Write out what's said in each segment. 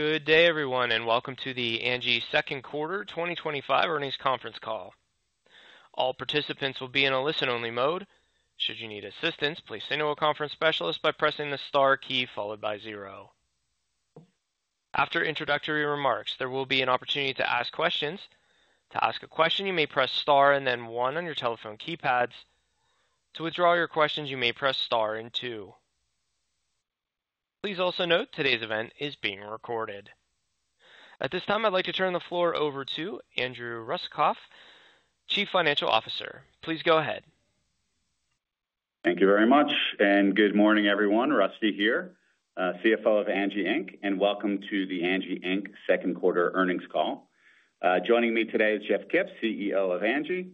Good day everyone and welcome to the Angi second quarter 2025 earnings conference call. All participants will be in a listen-only mode. Should you need assistance, please signal to a conference specialist by pressing the star. Key followed by zero. After introductory remarks, there will be an opportunity to ask questions. To ask a question, you may press star and then one on your telephone keypads. To withdraw your questions, you may press star and two. Please also note today's event is being recorded. At this time, I'd like to turn the floor over to Andrew Russakoff, Chief Financial Officer. Please go ahead. Thank you very much and good morning everyone. Rusty here, CFO of Angi Inc., and welcome to the Angi Inc. second quarter earnings call. Joining me today is Jeff Kip, CEO of Angi.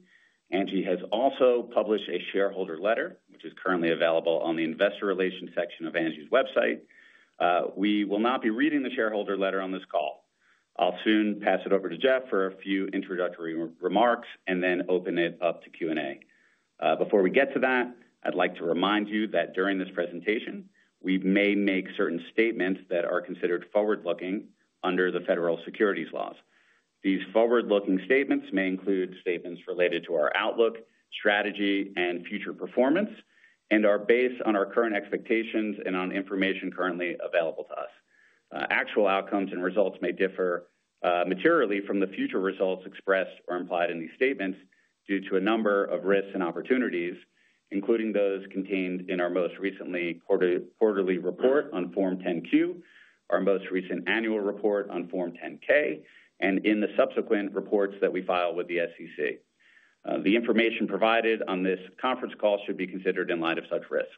Angi has also published a shareholder letter which is currently available on the Investor Relations section of Angi's website. We will not be reading the shareholder letter on this call. I'll soon pass it over to Jeff. For a few introductory remarks and then open it up to Q&A. Before we get to that, I'd like to remind you that during this presentation we may make certain statements that are considered forward looking under the federal securities laws. These forward looking statements may include statements related to our outlook, strategy, and future performance and are based on our current expectations and on information currently available to us. Actual outcomes and results may differ materially from the future results expressed or implied in these statements due to a number of risks and opportunities, including those contained in our most recent quarterly report on Form 10-Q, our most recent annual report on Form 10-K, and in the subsequent. Reports that we file with the SEC. The information provided on this conference call should be considered in light of such risks.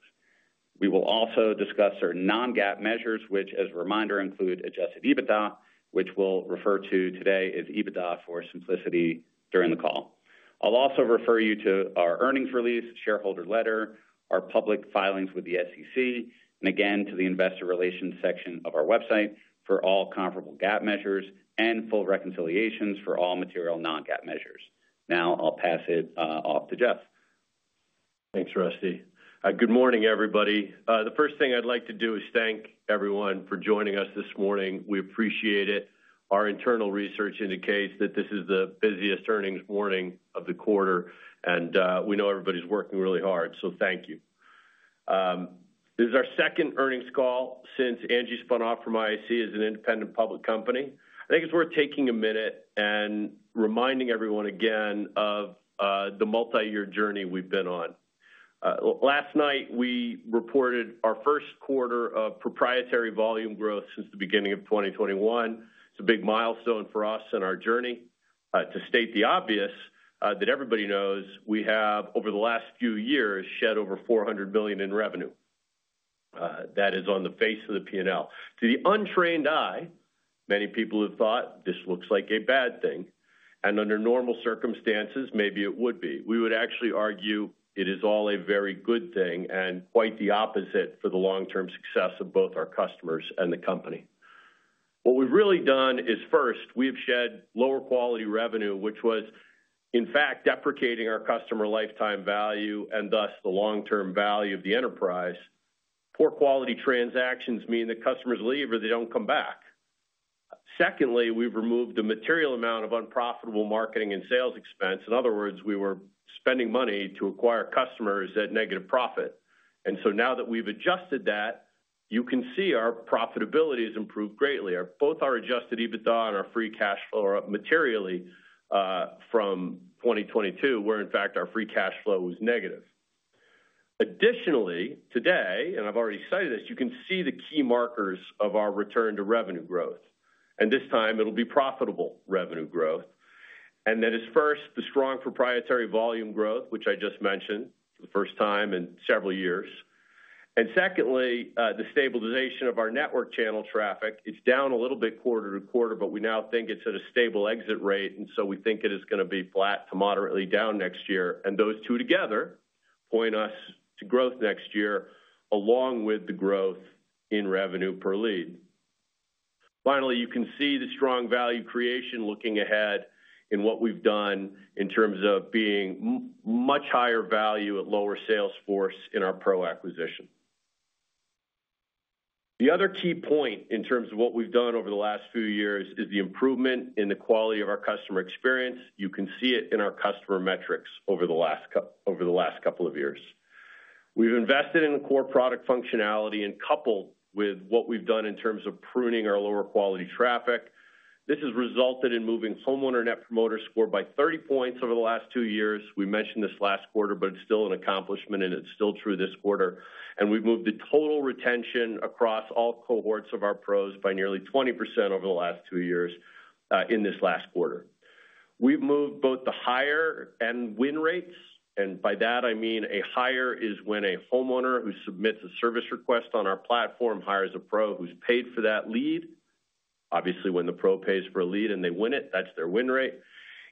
We will also discuss certain non-GAAP measures, which as a reminder include adjusted EBITDA, which we'll refer to today as EBITDA for simplicity. During the call, I'll also refer you to our earnings release, shareholder letter, our public filings with the SEC, and again to the investor relations section of our website for all comparable GAAP measures and full reconciliations for all material non-GAAP measures. Now I'll pass it off to Jeff. Thanks, Rusty. Good morning everybody. The first thing I'd like to do is thank everyone for joining us this morning. We appreciate it. Our internal research indicates that this is the busiest earnings morning of the quarter, and we know everybody's working really hard, so thank you. This is our second earnings call since Angi spun off from IAC as an independent public company. I think it's worth taking a minute and reminding everyone again of the multi-year journey we've been on. Last night we reported our first quarter of proprietary volume growth since the beginning of 2021. It's a big milestone for us and our journey. To state the obvious, that everybody knows, we have over the last few years shed over $400 million in revenue. That is on the face of the P&L. To the untrained eye, many people have thought this looks like a bad thing, and under normal circumstances maybe it would be. We would actually argue it is all a very good thing and quite the opposite for the long-term success of both our customers and the company. What we've really done is, first, we have shed lower quality revenue which was in fact deprecating our customer lifetime value and thus the long-term value of the enterprise. Poor quality transactions mean that customers leave or they don't come back. Secondly, we've removed a material amount of unprofitable marketing and sales expense. In other words, we were spending money to acquire customers at negative profit. Now that we've adjusted that, you can see our profitability has improved greatly. Both our adjusted EBITDA and our free cash flow are up materially from 2022, where in fact our free cash flow was negative. Additionally today, and I've already cited this, you can see the key markers of our return to revenue growth, and this time it'll be profitable revenue growth. That is, first, the strong proprietary volume growth which I just mentioned, the first time in several years, and secondly, the stabilization of our network channel traffic. It's down a little bit quarter to quarter, but we now think it's at a stable exit rate, and we think it is going to be flat to moderately down next year. Those two together point us to growth next year along with the growth in revenue per lead. Finally, you can see the strong value creation looking ahead in what we've done in terms of being much higher value at lower sales force in our pro acquisition. The other key point in terms of what we've done over the last few years is the improvement in the quality of our customer experience. You can see it in our customer metrics over the last couple of years. We've invested in the core product functionality, and coupled with what we've done in terms of pruning our lower quality traffic, this has resulted in moving homeowner Net Promoter Score by 30 points over the last two years. We mentioned this last quarter, but it's still an accomplishment and it's still true this quarter. We've moved the total retention across all cohorts of our Pros by nearly 20% over the last two years. In this last quarter, we've moved both the hire and win rates. By that I mean a hire is when a homeowner who submits a service request on our platform hires a pro who's paid for that lead. Obviously, when the pro pays for a lead and they win it, that's their win rate.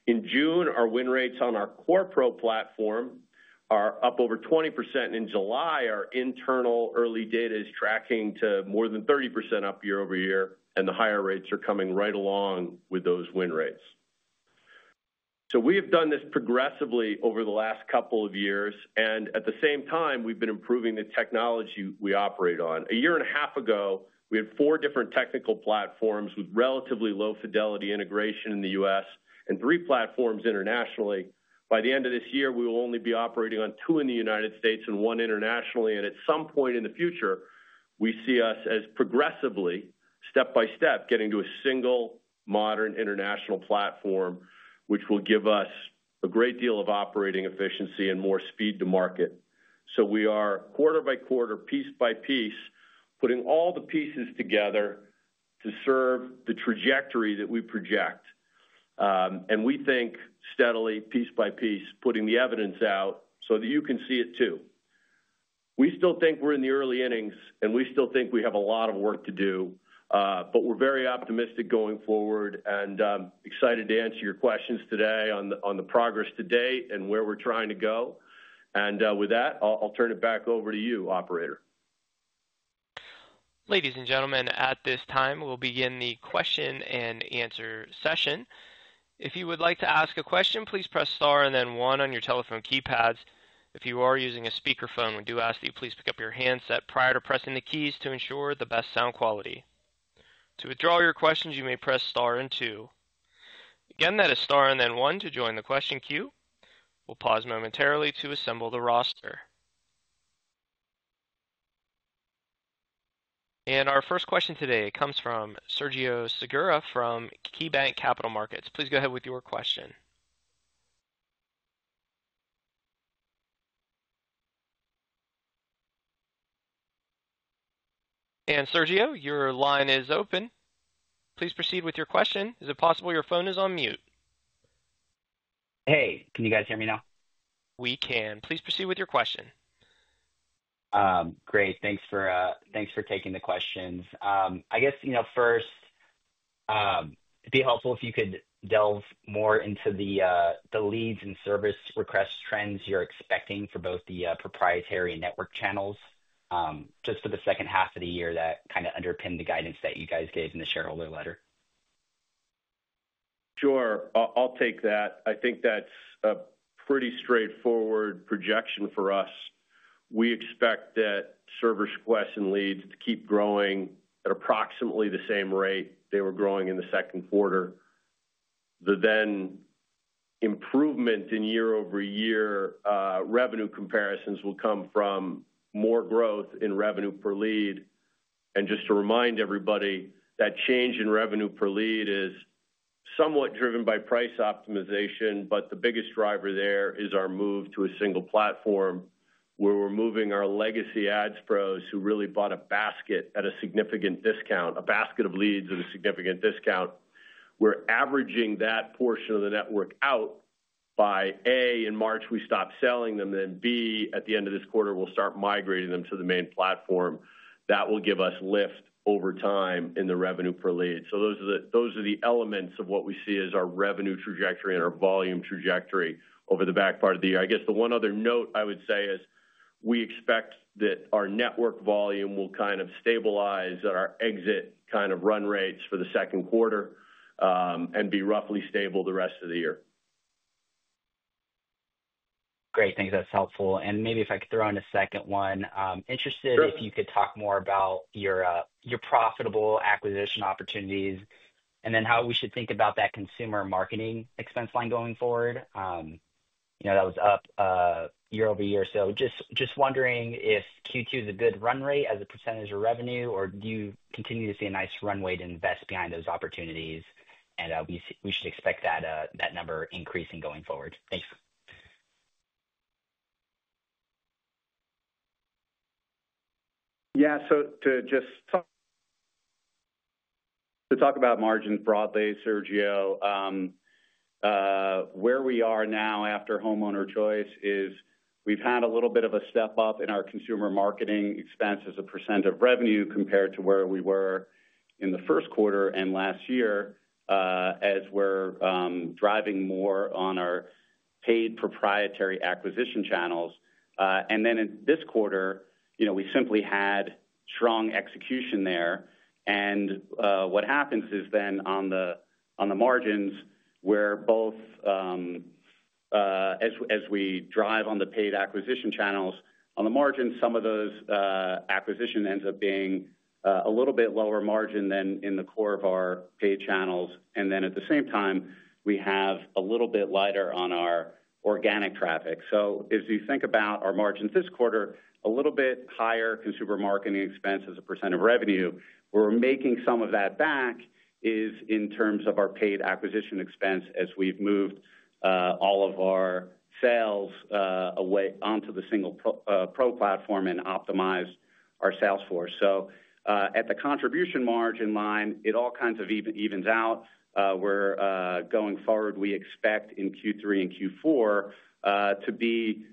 In June, our win rates on our core pro platform are up over 20%. In July, our internal early data is tracking to more than 30% up year over year, and the hire rates are coming right along with those win rates. We have done this progressively over the last couple of years, and at the same time, we've been improving the technology we operate on. A year and a half ago, we had four different technical platforms with relatively low fidelity integration in the U.S. and three platforms internationally. By the end of this year, we will only be operating on two in the United States and one internationally. At some point in the future, we see us as progressively, step by step, getting to a single modern international platform, which will give us a great deal of operating efficiency and more speed to market. We are quarter by quarter, piece by piece, putting all the pieces together to serve the trajectory that we project. We think steadily, piece by piece, putting the evidence out so that you can see it, too. We still think we're in the early innings and we still think we have a lot of work to do, but we're very optimistic going forward and excited to answer your questions today on the progress to date and where we're trying to go. With that, I'll turn it back over to you. Operator. Ladies and gentlemen, at this time, we'll begin the question and answer session. If you would like to ask a question. Question, please press star and then one on your telephone keypads. If you are using a speakerphone, we do ask that you please pick up your handset prior to pressing the keys to ensure the best sound quality. To withdraw your questions, you may press star and two. Again, that is star and then one to join the question queue. We'll pause momentarily to assemble the roster. Our first question today comes from Sergio Segura from KeyBanc Capital Markets. Please go ahead with your question. Sergio, your line is open. Please proceed with your question. Is it possible your phone is on mute? Hey, can you guys hear me now? We can. Please proceed with your question. Great. Thanks for taking the questions. I guess, you know, first, it'd be helpful if you could delve more into the leads and service request trends you're expecting for both the proprietary network channels just for the second half of the year. That kind of underpinned the guidance that you guys gave in the shareholder letter. Sure, I'll take that. I think that's a pretty straightforward projection for us. We expect that service requests and leads to keep growing at approximately the same rate they were growing in the second quarter. The improvement in year-over-year revenue comparisons will come from more growth in revenue per lead. Just to remind everybody, that change in revenue per lead is somewhat driven by price optimization. The biggest driver there is our move to a single platform where we're moving our legacy Ads pros who really bought a basket of leads at a significant discount. We're averaging that portion of the network out by, A, in March we stopped selling them, then B, at the end of this quarter we'll start migrating them to the main platform. That will give us lift over time in the revenue per lead. Those are the elements of what we see as our revenue trajectory and our volume trajectory over the back part of the year. I guess the one other note I would say is we expect that our network volume will kind of stabilize at our exit run rates for the second quarter and be roughly stable the rest of the year. Great, thanks. That's helpful, and maybe if I could throw in a second one. Interested if you could talk more about your profitable acquisition opportunities and then how we should think about that consumer marketing expense line going forward. You know that was up year over year. Just wondering if Q2 is a good run rate as a percentage of revenue, or do you continue to see a nice runway to invest behind those opportunities, and we should expect that number increasing going forward. Thanks. Yeah, to just. To talk about margins. Broadly, Sergio. Where we are now after Homeowner Choice is we've had a little bit of a step up in our consumer marketing expense as a percent of revenue compared to where we were in the first quarter and last year as we're driving more on our paid proprietary acquisition channels. This quarter, we simply had strong execution there. What happens is on the margins, as we drive on the paid acquisition channels, on the margin, some of those acquisition ends up being a little bit lower margin than in the core of our paid channels. At the same time, we have a little bit lighter on our organic traffic. As you think about our margins this quarter, a little bit higher consumer marketing expense as a % of revenue, we're making some of that back in terms of our paid acquisition expense as we've moved all of our sales away onto the single pro platform and optimized our sales force. At the contribution margin line, it all kind of evens out. Going forward, we expect in Q3 and Q4 to be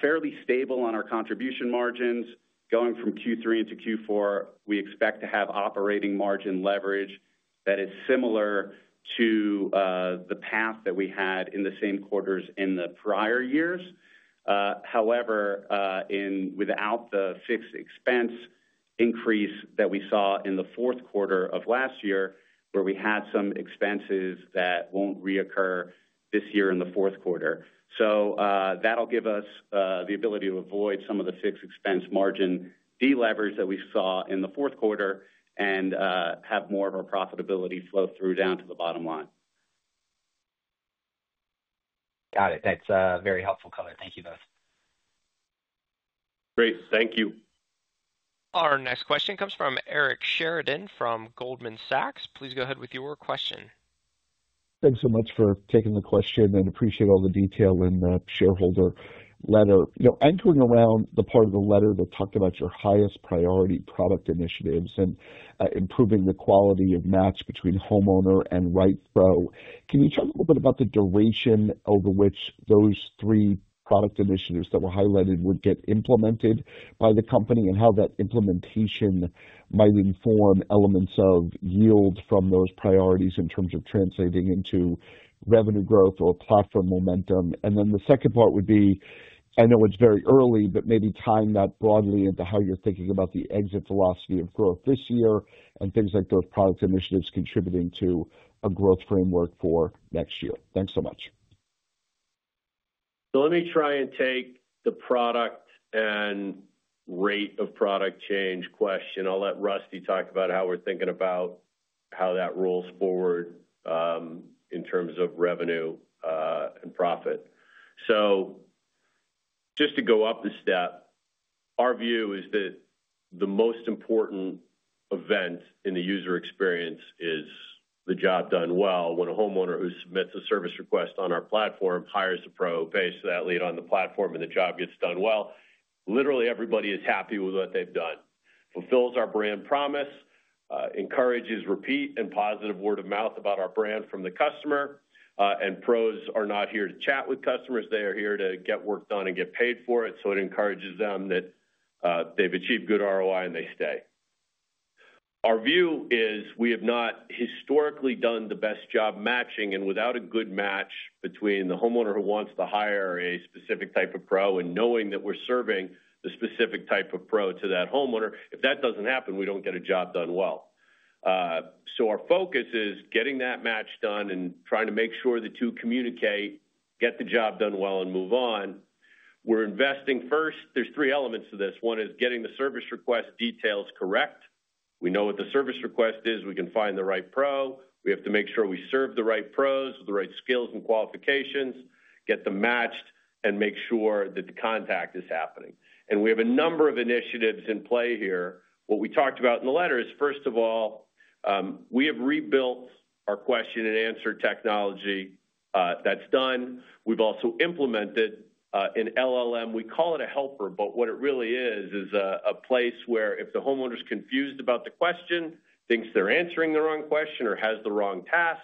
fairly stable on our contribution margins. Going from Q3 into Q4, we expect to have operating margin leverage that is similar to the path that we had in the same quarters in the prior years. However, without the fixed expense increase that we saw in the fourth quarter of last year, where we had some expenses that won't reoccur this year in the fourth quarter. That'll give us the ability to avoid some of the fixed expense margin deleverage that we saw in the fourth quarter and have more of our profitability flow through down to the bottom line. Got it. That's very helpful color. Thank you both. Great. Thank you. Our next question comes from Eric Sheridan from Goldman Sachs. Please go ahead with your question. Thanks so much for taking the question and appreciate all the detail in that shareholder letter. You know, anchoring around the part of the letter to talk about your highest priority product initiatives and improving the quality of match between homeowner and rights. Can you talk a little bit about the duration over which those three product initiatives that were highlighted would get implemented? By the company and how that implementation. Might inform elements of yield from those priorities in terms of translating into revenue. Growth or platform momentum. The second part would be I know it's very early, but maybe tying that broadly into how you're thinking about the exit velocity of growth this year and things like growth product initiatives. Contributing to a growth framework for next year. Thanks so much. Let me try and take the product and rate of product change question. I'll let Rusty talk about how we're thinking about how that rolls forward in terms of revenue and profit. To go up the step, our view is that the most important event in the user experience is the job done well. When a homeowner who submits a service request on our platform hires a pro based on that lead on the platform and the job gets done well, literally everybody is happy with what they've done. It fulfills our brand promise and encourages repeat and positive word of mouth about our brand from the customer. Pros are not here to chat with customers. They are here to get work done and get paid for it. It encourages them that they've achieved good ROI and they stay. Our view is we have not historically done the best job matching, and without a good match between the homeowner who wants to hire a specific type of pro and knowing that we're serving the specific type of pro to that homeowner, if that doesn't happen, we don't get a job done well. Our focus is getting that match done and trying to make sure the two communicate, get the job done well, and move on. We're investing first. There are three elements to this. One is getting the service request details correct. We know what the service request is. We can find the right pro. We have to make sure we serve the right pros with the right skills and qualifications, get them matched, and make sure that the contact is happening. We have a number of initiatives in play here. What we talked about in the letter is, first of all, we have rebuilt our question and answer technology. That's done. We've also implemented an LLM. We call it a helper, but what it really is is a place where if the homeowner is confused about the question, thinks they're answering the wrong question or has the wrong task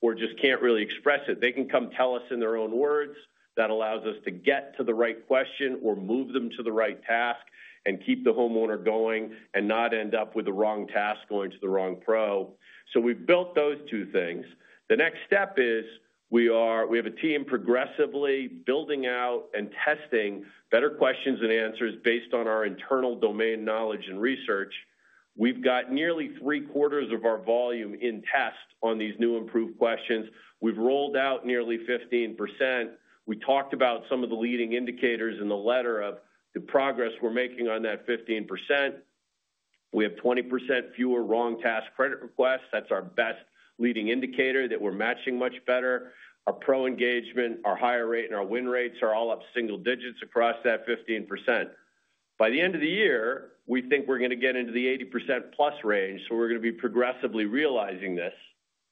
or just can't really express it, they can come tell us in their own words. That allows us to get to the right question or move them to the right task and keep the homeowner going and not end up with the wrong task going to the wrong pro. We've built those two things. The next step is we have a team progressively building out and testing better questions and answers based on our internal domain knowledge and research. We've got nearly three quarters of our volume in test on these new improved questions. We've rolled out nearly 15%. We talked about some of the leading indicators in the letter of the progress we're making on that 15%. We have 20% fewer wrong task credit requests. That's our best leading indicator that we're matching much better. Our pro engagement, our higher rate, and our win rates are all up single digits across that 15% by the end of the year. We think we're going to get into the 80%+ range. We're going to be progressively realizing this,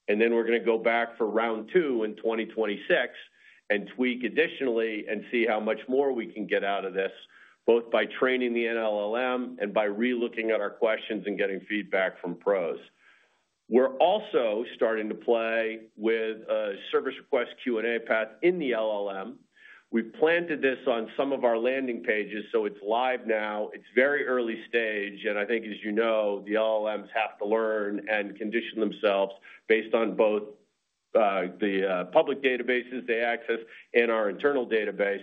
and then we're going to go back for round two in 2026 and tweak additionally and see how much more we can get out of this both by training the LLM and by relooking at our questions and getting feedback from pros. We're also starting to play with a service request Q&A path in the LLM. We planted this on some of our landing pages, so it's live now. It's very early stage. I think, as you know, the LLMs have to learn and condition themselves based on both the public databases they access and our internal database.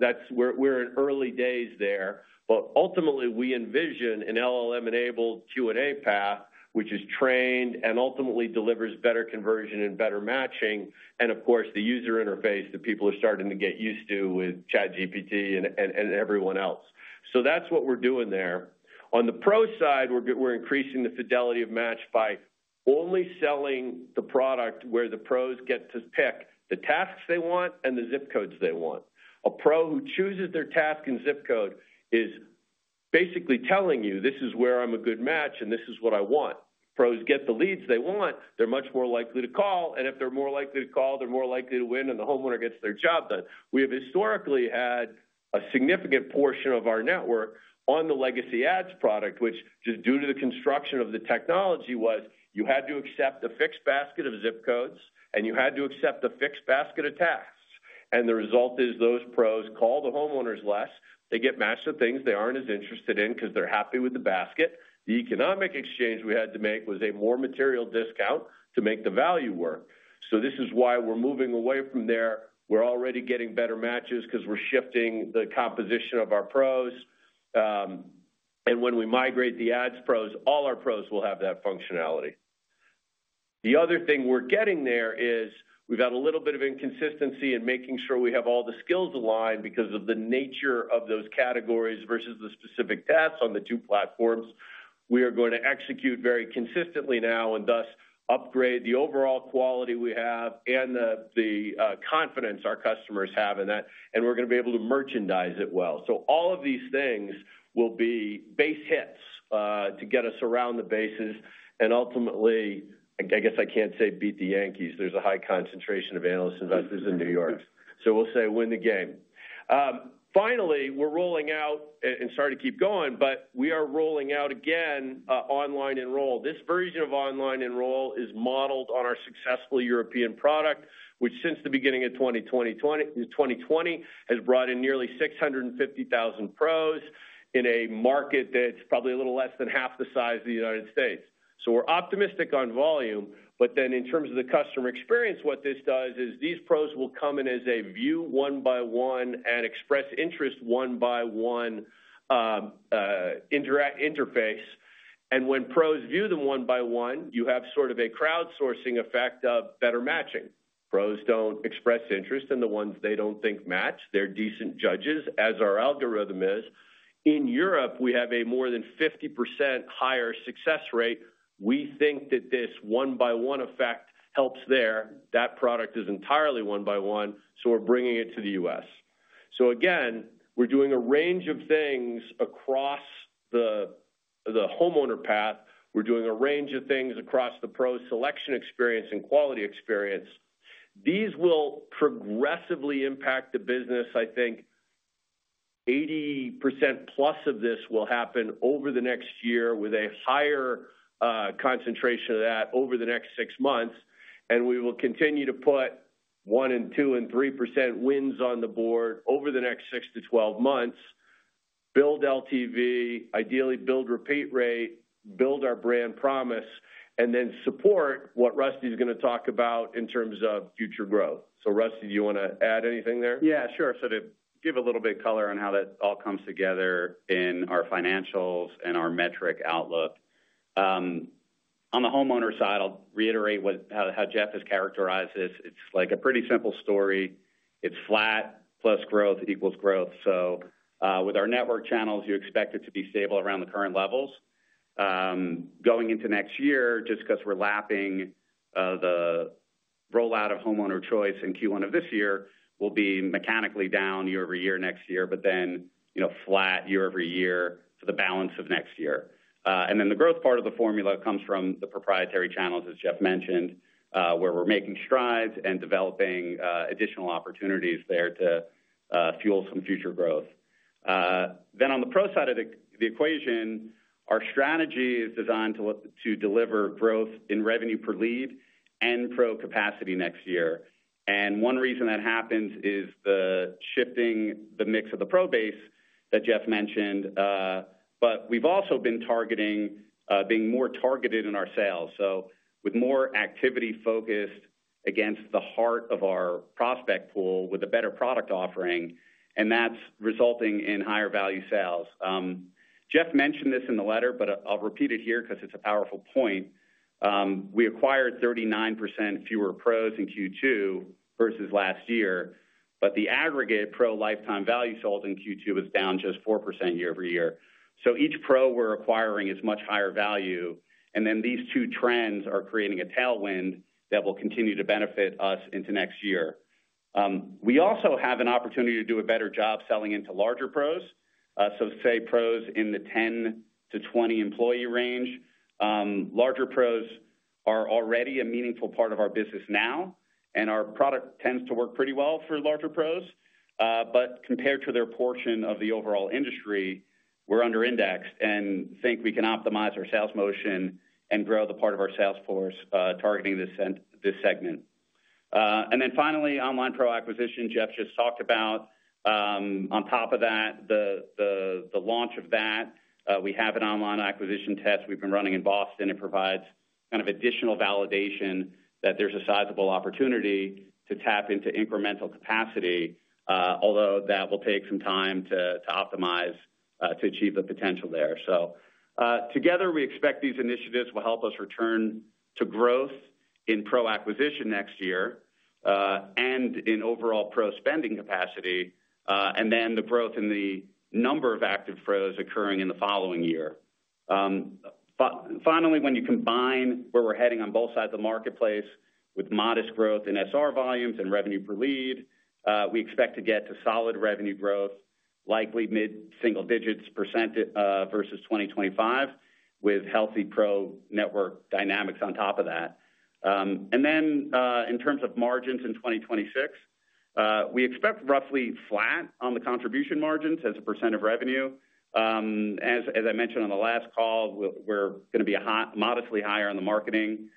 That's where we're in early days there. Ultimately, we envision an LLM-enabled Q&A path which is trained and ultimately delivers better conversion and better matching, and of course the user interface that people are starting to get used to with ChatGPT and everyone else. That's what we're doing there. On the pro side, we're increasing the fidelity of match by only selling the product where the pros get to pick the tasks they want and the zip codes they want. A pro who chooses their task and zip code is basically telling you, this is where I'm a good match and this is what I want. Pros get the leads they want, they're much more likely to call, and if they're more likely to call, they're more likely to win and the homeowner gets their job done. We have historically had a significant portion of our network on the legacy Ads product, which just due to the construction of the technology was you had to accept a fixed basket of zip codes and you had to accept a fixed basket of tasks. The result is those pros call the homeowners less, they get matched to things they aren't as interested in because they're happy with the basket. The economic exchange we had to make was a more material discount to make the value work. This is why we're moving away from there. We're already getting better matches because we're shifting the composition of our pros, and when we migrate the Ads pros, all our pros will have that functionality. The other thing we're getting there is we've had a little bit of inconsistency in making sure we have all the skills aligned because of the nature of those categories versus the specific tasks on the two platforms. We are going to execute very consistently now and thus upgrade the overall quality we have and the confidence our customers have in that. We are going to be able to merchandise it well. All of these things will be base hits to get us around the bases and ultimately, I guess I can't say beat the Yankees. There's a high concentration of analyst investors in New York. We'll say win the game. Finally, we're rolling out, and sorry to keep going, but we are rolling out again. Online enroll. This version of online enroll is modeled on our successful European product which since the beginning of 2020 has brought in nearly 650,000 pros in a market that's probably a little less than half the size of the United States. We're optimistic on volume. In terms of the customer experience, what this does is these pros will come in as a view one by one and express interest, interact, interface. When pros view them one by one, you have sort of a crowdsourcing effect of better matching. Pros don't express interest in the ones they don't think match. They're decent judges. As our algorithm is in Europe, we have a more than 50% higher success rate. We think that this one by one effect helps there. That product is entirely one by one. We're bringing it to the U.S. so again, we're doing a range of things across the homeowner path. We're doing a range of things across the pro selection experience and quality experience. These will progressively impact the business. I think 80%+ of this will happen over the next year with a higher concentration of that over the next six months. We will continue to put 1% and 2% and 3% wins on the board over the next six to 12 months, build LTV, ideally build repeat rate, build our brand promise, and then support what Rusty is going to talk about in terms of future growth. Rusty, do you want to add anything there? Yeah sure. To give a bit of color. On how that all comes together in our financials and our metric outlook on the homeowner side, I'll reiterate how Jeff has characterized this. It's like a pretty simple story. It's flat plus growth equals growth. With our network channels, you expect it to be stable around the current levels going into next year. Just because we're lapping the rollout of homeowner choice in Q1 of this year, it will be mechanically down year over year next year, but then flat year over year for the balance of next year. The growth part of the formula comes from the proprietary channels, as Jeff mentioned, where we're making strides and developing additional opportunities there to fuel some future growth. On the pro side of the equation, our strategy is designed to deliver growth in revenue per lead and pro capacity next year. One reason that happens is the shifting the mix of the pro base that Jeff mentioned. We've also been targeting being more targeted in our sales, with more activity focused against the. Heart of our prospect pool. Better product offering and that's resulting in higher value sales. Jeff mentioned this in the letter, but I'll repeat it here because it's a powerful point. We acquired 39% fewer pros in Q2 versus last year, but the aggregate pro lifetime value sold in Q2 is down just 4% year over year. Each pro we're acquiring is much higher value. These two trends are creating a tailwind that will continue to benefit us into next year. We also have an opportunity to do a better job selling into larger pros, say pros in the 10-20 employee range. Larger pros are already a meaningful part of our business now, and our product tends to work pretty well for larger pros. Compared to their portion of the overall industry, we're under indexed and think we can optimize our sales motion and grow the part of our sales force targeting this segment. Finally, online pro acquisition Jeff just talked about, on top of that, the launch of that, we have an online acquisition test we've been running in Boston. It provides kind of additional validation that there's a sizable opportunity to tap into incremental capacity, although that will take some time to optimize to achieve the potential there. Together we expect these initiatives will help us return to growth in pro acquisition next year and in overall pro spending capacity, and then the growth in the number of active pros occurring in the following year. Finally, when you combine where we're heading on both sides of the marketplace, with modest growth in SR volumes and revenue. Per lead, we expect to get to. Solid revenue growth, likely mid single digits percentage versus 2025 with healthy pro network dynamics on top of that. In terms of margins in 2026, we expect roughly flat on the contribution margins as a percent of revenue. As I mentioned on the last call, we're going to be modestly higher on the marketing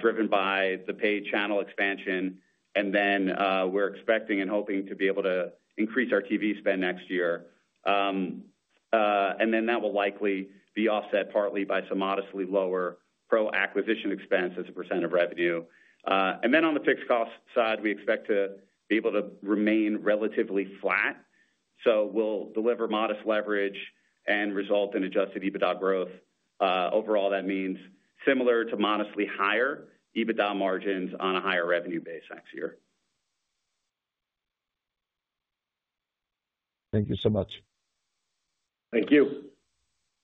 driven by the paid channel expansion. We're expecting and hoping to be able to increase our TV spend next year. That will likely be offset partly by some modestly lower pro acquisition expense as a percent of revenue. On the fixed cost side, we expect to be able to remain relatively flat. We'll deliver modest leverage and result in adjusted EBITDA growth overall. That means similar to modestly higher EBITDA margins on a higher revenue base next year. Thank you so much. Thank you.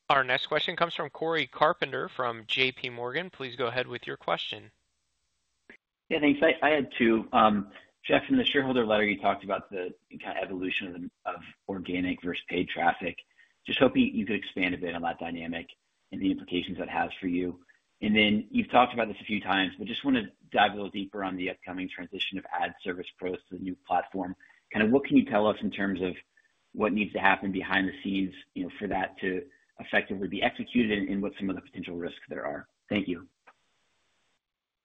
Our next question comes from Cory Carpenter from JPMorgan. Please go ahead with your question. Yeah, thanks. I had two. Jeff, in the shareholder letter you talked about the evolution of organic versus paid traffic. Just hoping you could expand a bit on that dynamic and the implications that has for you. You've talked about this a few times, just want to dive a little deeper on the upcoming transition of ad service pros to the new platform. What can you tell us in terms of what needs to happen behind the scenes for that to effectively be executed and what some of the potential risks there are? Thank you.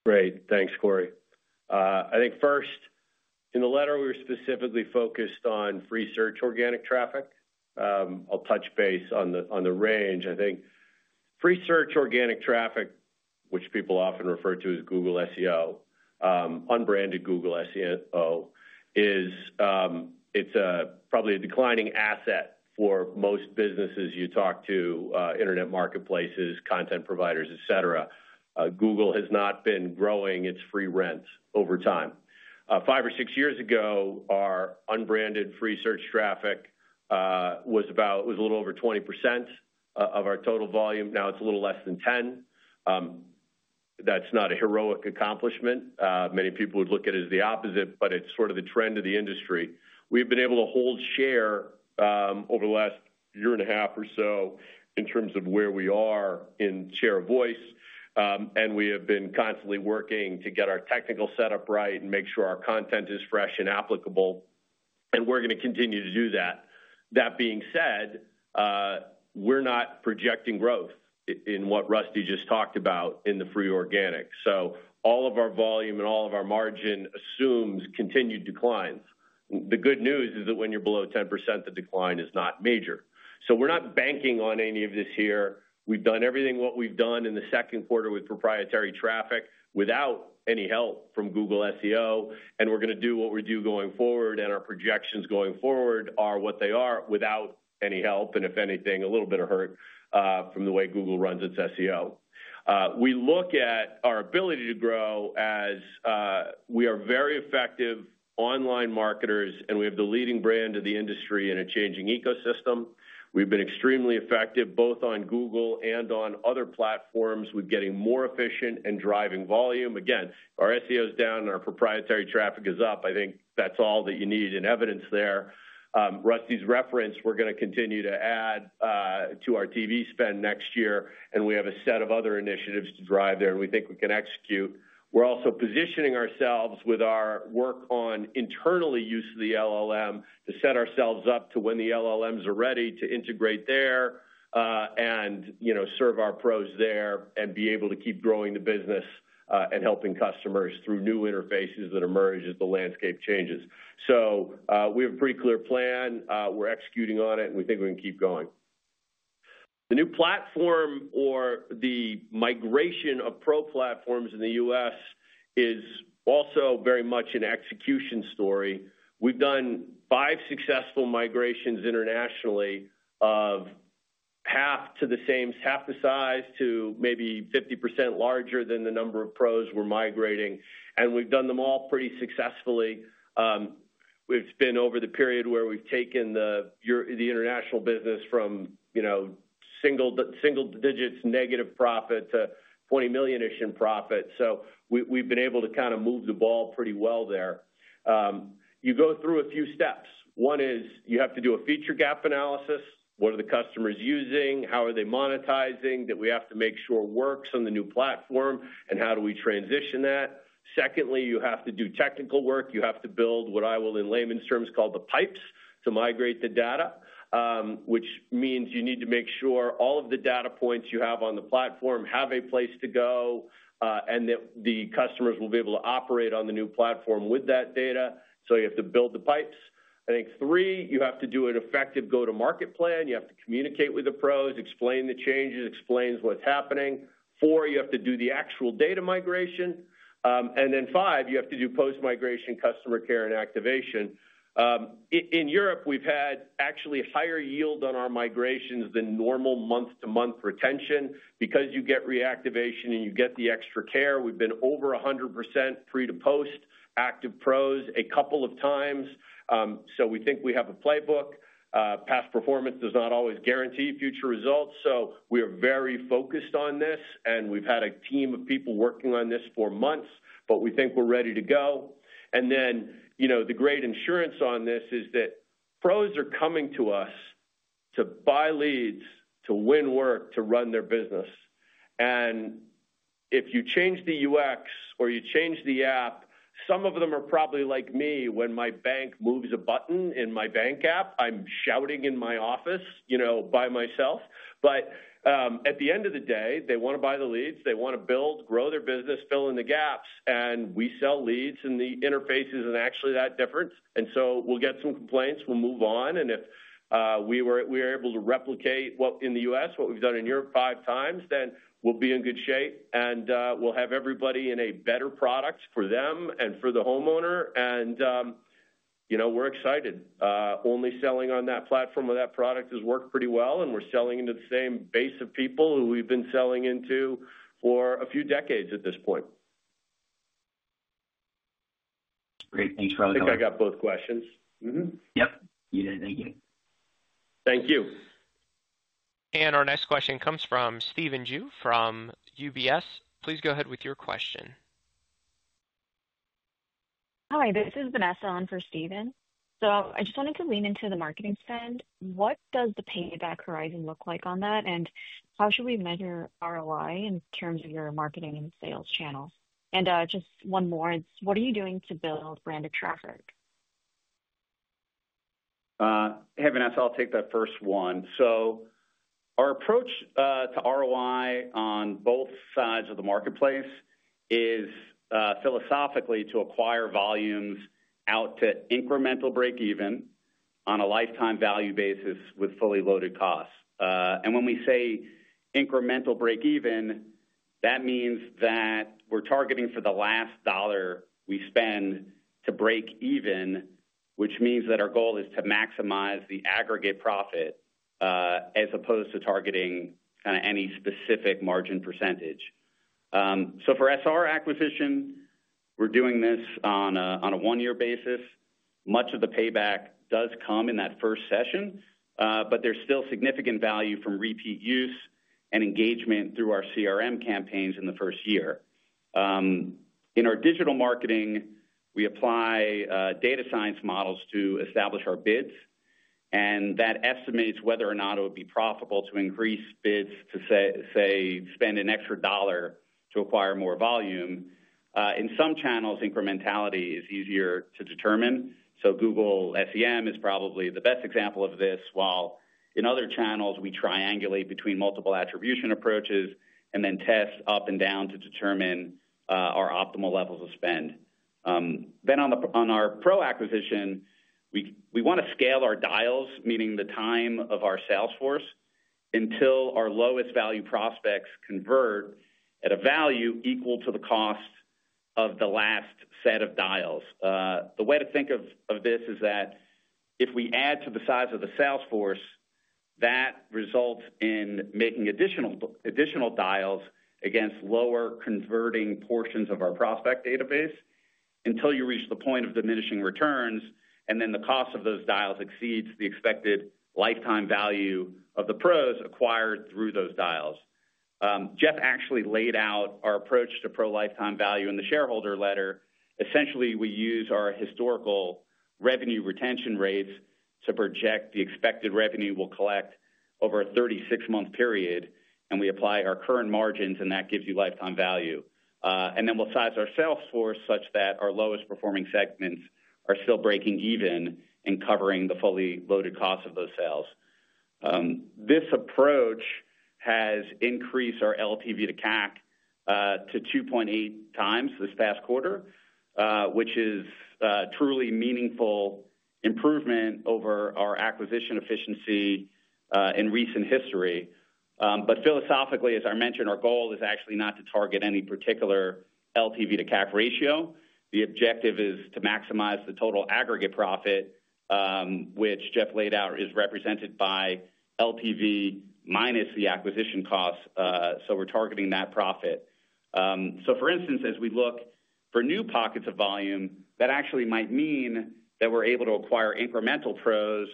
Great. Thanks, Cory. I think first in the letter we were specifically focused on free search organic traffic. I'll touch base on the range. I think free search organic traffic, which people often refer to as Google SEO, unbranded Google SEO, is probably a declining asset for most businesses you talk to, Internet marketplaces, content providers, et cetera. Google has not been growing its free rent over time. Five or six years ago our unbranded free search traffic was a little over 20% of our total volume. Now it's a little less than 10%. That's not a heroic accomplishment. Many people would look at it as the opposite, but it's sort of the trend of the industry. We've been able to hold share over the last year and a half or so in terms of where we are in share of voice, and we have been constantly working to get our technical setup right and make sure our content is fresh and applicable. We're going to continue to do that. That being said, we're not projecting growth in what Rusty just talked about in the free organic. All of our volume and all of our margin assumes continued declines. The good news is that when you're below 10%, the decline is not major. We're not banking on any of this here. We've done everything we've done in the second quarter with proprietary traffic without any help from Google SEO. We're going to do what we do going forward and our projections going forward are what they are without any help and, if anything, a little bit of hurt from the way Google runs its SEO. We look at our ability to grow as we are very effective online marketers and we have the leading brand of the industry in a changing ecosystem. We've been extremely effective both on Google and on other platforms with getting more efficient and driving volume. Again, our SEO is down and our proprietary traffic is up. I think that's all that you need in evidence there. Rusty's reference. We're going to continue to add to our TV spend next year and we have a set of other initiatives to drive there and we think we can execute. We're also positioning ourselves with our work on internally use the LLM and to set ourselves up to when the LLMs are ready to integrate there and, you know, serve our pros there and be able to keep growing the business and helping customers through new interfaces that emerge as the landscape changes. We have a pretty clear plan, we're executing on it and we think we can keep going. The new platform or the migration of pro platforms in the U.S. is also very much an execution story. We've done five successful migrations internationally of half to the same, half the size to maybe 50% larger than the number of pros we're migrating, and we've done them all pretty successfully. It's been over the period where we've taken the international business from, you know, single digits negative profit to $20 million-ish in profit. We've been able to kind of move the ball pretty well there. You go through a few steps. One is you have to do a feature gap analysis. What are the customers using, how are they monetizing that? We have to make sure it works on the new platform and how do we transition that. Secondly, you have to do technical work. You have to build what I will, in layman's terms, call the pipes to migrate the data, which means you need to make sure all of the data points you have on the platform have a place to go and that the customers will be able to operate on the new platform with that data. You have to build the pipes, I think. Three, you have to do an effective go-to-market plan. You have to communicate with the pros, explain the changes, explain what's happening. Four, you have to do the actual data migration, and then five, you have to do post-migration customer care and activation. In Europe we've had actually higher yield on our migrations than normal month-to-month retention because you get reactivation and you get the extra care. We've been over 100% free-to-post active pros a couple of times. We think we have a playbook. Past performance does not always guarantee future results. We are very focused on this, and we've had a team of people working on this for months. We think we're ready to go. The great insurance on this is that pros are coming to us to buy leads, to win, work to run their business. If you change the UX or you change the app, some of them are probably like me, when my bank moves a button in my bank app, I'm shouting in my office, you know, by myself. At the end of the day they want to buy the leads, they want to build, grow their business, fill in the gaps, and we sell leads. The interface isn't actually that different. We'll get some complaints, we'll move on. If we were able to replicate in the U.S. what we've done in Europe five times, then we'll be in good shape and we'll have everybody in a better product for them and for the homeowner. We're excited. Only selling on that platform or that product has worked pretty well, and we're selling into the same base of people who we've been selling into for a few decades at this point. Great. Thanks for all the time. I think I got both questions. Yep, you did. Thank you. Thank you. Our next question comes from Steven Ju from UBS. Please go ahead with your question. Hi, this is Vanessa on for Steven. I just wanted to lean into the marketing spend. What does the payback horizon look like on that? How should we measure ROI in terms of your marketing and sales channels? Just one more, it's what are you doing to build branded traffic? Hey Vanessa, I'll take that first one. Our approach to ROI on both sides of the marketplace is philosophically to acquire volumes out to incremental break even on a lifetime value basis with fully loaded costs. When we say incremental break even, that means that we're targeting for the last dollar we spend to break even, which means that our goal is to maximize the aggregate profit as opposed to targeting any specific margin percentage. For SR acquisition, we're doing this on a one year basis. Much of the payback does come in that first session, but there's still significant value from repeat use and engagement through our CRM campaigns in the first year. In our digital marketing, we apply data science models to establish our bids and that estimates whether or not it would be profitable to increase bids to, say, spend an extra dollar to acquire more volume. In some channels, incrementality is easier to determine. Google SEM is probably the best example of this. In other channels, we triangulate between multiple attribution approaches and then test up and down to determine our optimal levels of spend. On our pro acquisition, we want to scale our dials, meaning the time of our sales force until our lowest value prospects convert at a value equal to the cost of the last set of dials. The way to think of this is that if we add to the size of the sales force, that results in making additional dials against lower converting portions of our prospect database until you reach the point of diminishing returns. The cost of those dials exceeds the expected lifetime value of the. Pros acquired through those dials. Jeff actually laid out our approach to pro lifetime value in the shareholder letter. Essentially, we use our historical revenue retention rates to project the expected revenue we will collect over a 36 month period. We apply our current margins and that gives you lifetime value. We will size our sales force such that our lowest performing segments are still breaking even and covering the fully. Loaded cost of those sales. This approach has increased our LTV to CAC to 2.8x this past quarter, which is truly meaningful improvement over our acquisition efficiency in recent history. Philosophically, as I mentioned, our goal is actually not to target any particular LTV to CAC ratio. The objective is to maximize the total aggregate profit, which Jeff laid out is represented by LTV minus the acquisition costs. We're targeting that profit. For instance, as we look for new pockets of volume, that actually might mean that we're able to acquire incremental pros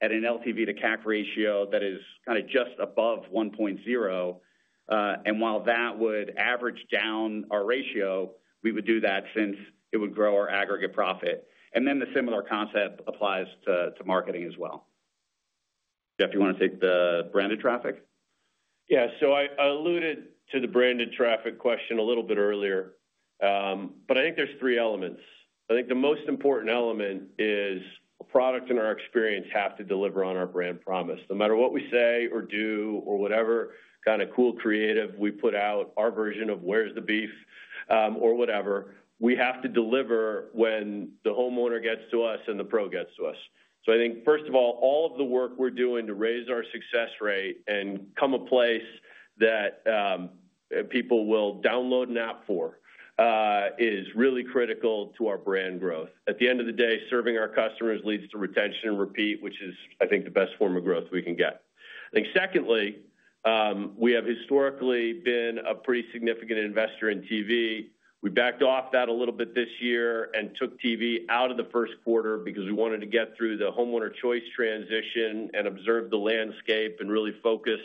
at an LTV to CAC ratio that is kind of just above 1.0. While that would average down our ratio, we would do that since it would grow our aggregate profit. The similar concept applies to marketing as well. Jeff, you want to take the branded traffic? Yeah, so I alluded to the branded traffic question a little bit earlier, but I think there's three elements. I think the most important element is a product and our experience have to deliver on our brand promise no matter what we say or do or whatever kind of cool, creative we put out, our version of Where's the Beef or whatever. We have to deliver when the homeowner gets to us and the pro gets to us. I think first of all, all of the work we're doing to raise our success rate and become a place that people will download an app for is really critical to our brand growth. At the end of the day, serving our customers leads to retention and repeat, which is, I think, the best form of growth we can get. I think secondly, we have historically been a pretty significant investor in TV. We backed off that a little bit this year and took TV out of the first quarter because we wanted to get through the Homeowner Choice transition and observe the landscape and really focus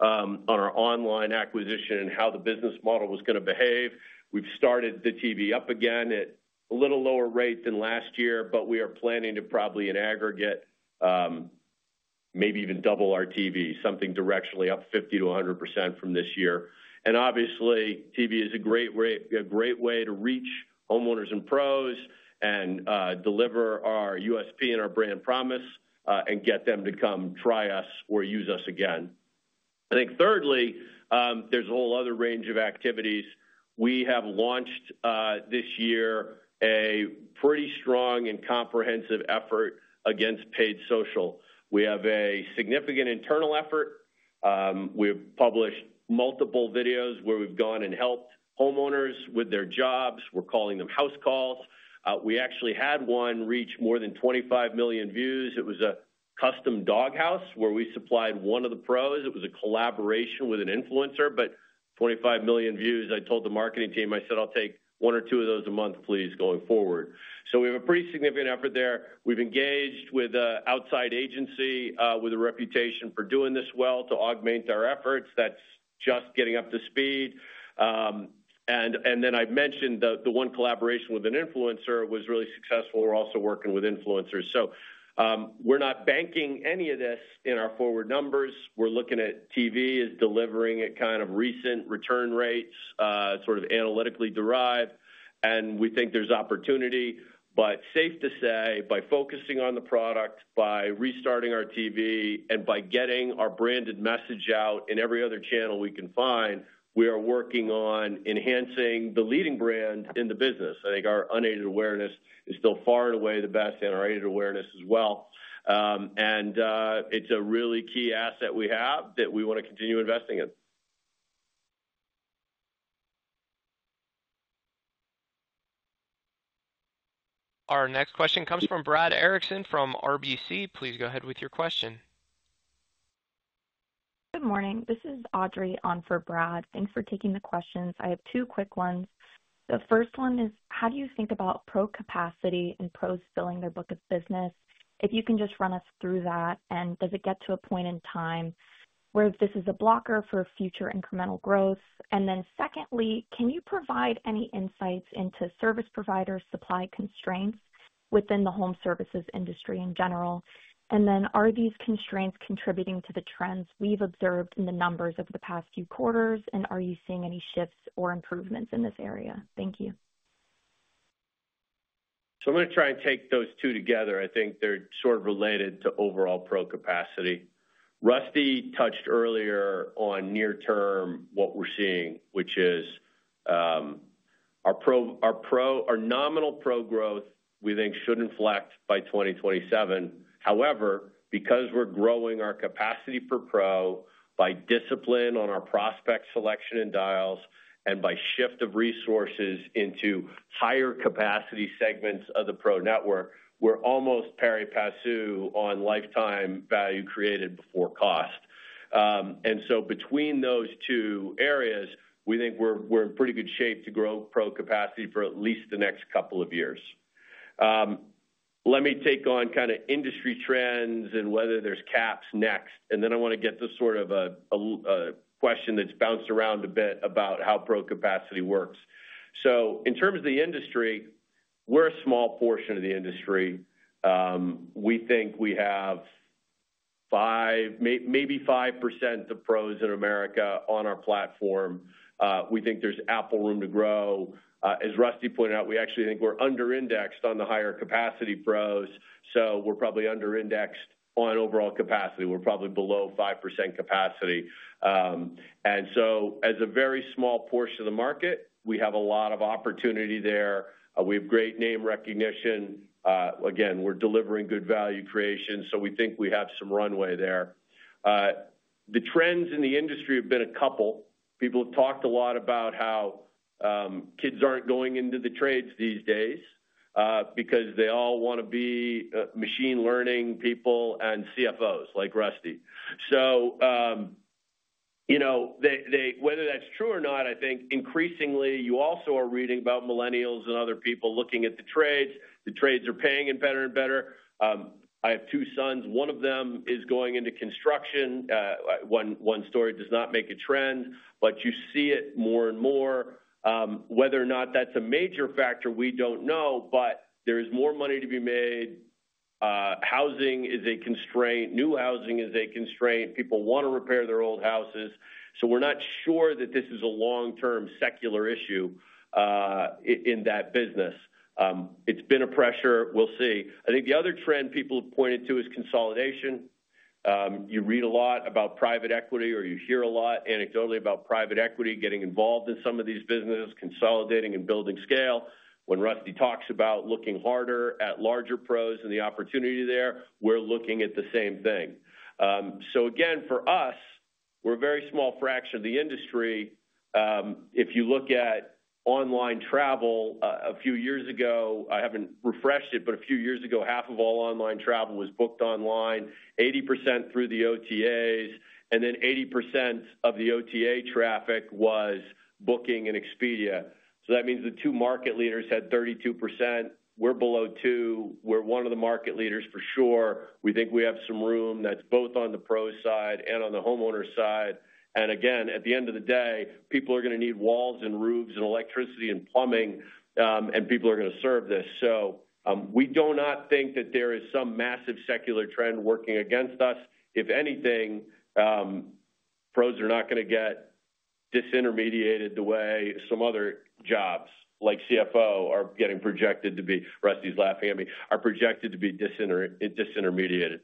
on our online acquisition and how the business model was going to behave. We've started the TV up again at a little lower rate than last year, but we are planning to probably, in aggregate, maybe even double our TV, something directionally up 50%-100% from this year. Obviously, TV is a great way to reach homeowners and pros and deliver our USP and our brand promise and get them to come try us or use us again. I think thirdly, there's a whole other range of activities. We have launched this year a pretty strong and comprehensive effort against paid social. We have a significant internal effort. We've published multiple videos where we've gone and helped homeowners with their jobs. We're calling them house calls. We actually had one reach more than 25 million views. It was a custom doghouse where we supplied one of the pros. It was a collaboration with an influencer. 25 million views. I told the marketing team, I said I'll take one or two of those a month, please, going forward. We have a pretty significant effort there. We've engaged with an outside agency with a reputation for doing this well to augment our efforts. That's just getting up to speed. I mentioned the one collaboration with an influencer was really successful. We're also working with influencers, so we're not banking any of this in our forward numbers. We're looking at TV as delivering at kind of recent return rates, sort of analytically derived, and we think there's opportunity. It is safe to say by focusing on the product, by restarting our TV and by getting our branded message out in every other channel we can find, we are working on enhancing the leading brand in the business. I think our unaided awareness is still far and away the best in our aided awareness as well. It is a really key asset we have that we want to continue investing in. Our next question comes from Brad Erickson from RBC. Please go ahead with your question. Good morning, this is Audrey on for Brad. Thanks for taking the questions. I have two quick ones. The first one is how do you think about pro capacity and pros filling their book of business? If you can just run us through that, does it get to a point in time where this is a blocker for future incremental growth? Secondly, can you provide any insights into service provider supply constraints within the home services industry in general? Are these constraints contributing to the trends we've observed in the numbers of the past few quarters? Are you seeing any shifts or improvements in this area? Thank you. I'm going to try and take those two together. I think they're sort of related to overall pro capacity. Rusty touched earlier on near term what we're seeing, which is our nominal pro growth we think should inflect by 2027. However, because we're growing our capacity per pro by discipline on our prospect selection and dials and by shift of resources into higher capacity segments of the pro network, we're almost pari passu on lifetime value created before cost. Between those two areas, we think we're in pretty good shape to grow pro capacity for at least the next couple of years. Let me take on kind of industry trends and whether there's caps next. I want to get to this sort of a question that's bounced around a bit about how pro capacity works. In terms of the industry, we're a small portion of the industry. We think we have 5%, maybe 5% of pros in America on our platform. We think there's ample room to grow. As Rusty pointed out, we actually think we're under-indexed on the higher capacity pros, so we're probably under-indexed on overall capacity. We're probably below 5% capacity. As a very small portion of the market, we have a lot of opportunity there. We have great name recognition. Again, we're delivering good value creation, so we think we have some runway there. The trends in the industry have been a couple people have talked a lot about how kids aren't going into the trades these days because they all want to be machine learning people and CFOs like Rusty. Whether that's true or not, I think increasingly you also are reading about millennials and other people looking at the trades. The trades are paying better and better. I have two sons, one of them is going into construction. One story does not make a trend, but you see it more and more. Whether or not that's a major factor, we don't know, but there is more money to be made. Housing is a constraint. New housing is a constraint. People want to repair their old houses. We're not sure that this is a long-term secular issue in that business. It's been a pressure. We'll see. I think the other trend people pointed to is consolidation. You read a lot about private equity or you hear a lot anecdotally about private equity getting involved in some of these businesses, consolidating and building scale. When Rusty talks about looking harder at larger pros and the opportunity there, we're looking at the same thing. Again, for us, we're a very small fraction of the industry. If you look at online travel a few years ago, I haven't refreshed it, but a few years ago, half of all online travel was booked online, 80% through the OTAs, and then 80% of the OTA traffic was booking in Expedia. That means the two market leaders had 32%. We're below 2%. We're one of the market leaders for sure. We think we have some room that's both on the pro side and on the homeowner side. At the end of the day, people are going to need walls and roofs and electricity and plumbing, and people are going to serve this. We do not think that there is some massive secular trend working against us. If anything, pros are not going to get disintermediated the way some other jobs like CFO are getting projected to be. Rusty's laughing at me. Are projected to be disintermediated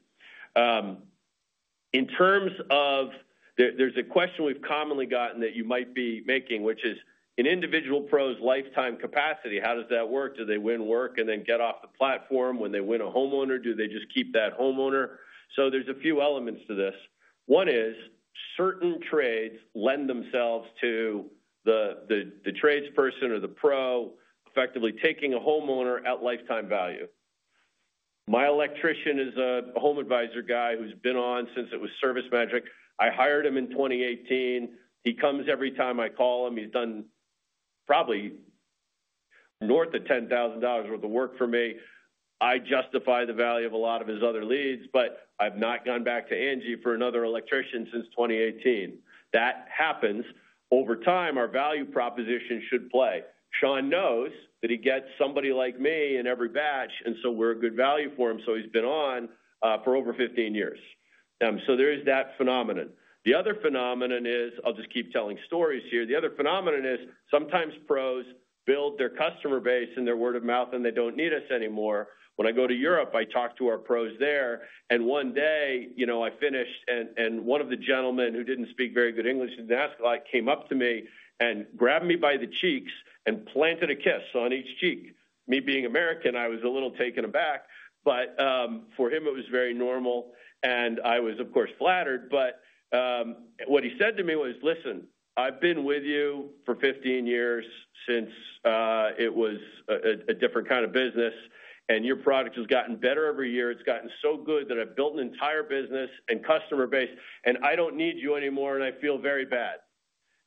in terms of, there's a question we've commonly gotten that you might be making, which is an individual pro's lifetime capacity. How does that work? Do they win work and then get off the platform when they win a homeowner? Do they just keep that homeowner? There are a few elements to this. One is certain trades lend themselves to the tradesperson or the pro effectively taking a homeowner at lifetime value. My electrician is a HomeAdvisor guy who's been on since it was ServiceMagic. I hired him in 2018. He comes every time I call him. He's done probably north of $10,000 worth of work for me. I justify the value of a lot of his other leads, but I've not gone back to Angi for another electrician since 2018. That happens over time. Our value proposition should play. Sean knows that he gets somebody like me in every batch, and so we're a good value for him. He's been on for over 15 years. There is that phenomenon. The other phenomenon is, I'll just keep telling stories here, sometimes pros build their customer base and their word of mouth and they don't need us anymore. When I go to Europe, I talk to our pros there. One day, I finished, and one of the gentlemen who didn't speak very good English in Nascalite came up to me and grabbed me by the cheeks and planted a kiss on each cheek. Me being American, I was a little taken aback. For him, it was very normal. I was, of course, flattered. What he said to me was, listen, I've been with you for 15 years, since it was a different kind of business, and your product has gotten better every year. It's gotten so good that I've built an entire business and customer base, and I don't need you anymore. I feel very bad.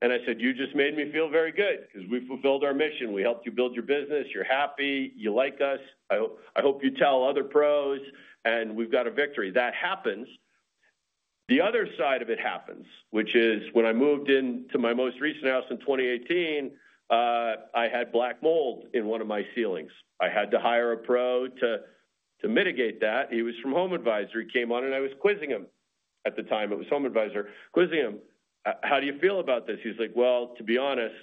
I said, you just made me feel very good because we fulfilled our mission. We helped you build your business. You're happy, you like us. I hope you tell other pros and we've got a victory. That happens. The other side of it happens, which is when I moved into my most recent house in 2018, I had black mold in one of my ceilings. I had to hire a pro to mitigate that. He was from HomeAdvisor, came on, and I was quizzing him. At the time, it was HomeAdvisor, quizzing him. How do you feel about this? He's like, to be honest,